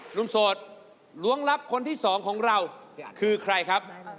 หนุ่มโสดล้วงลับคนที่สองของเราคือใครครับ